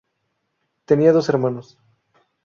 Tenía dos hermanos.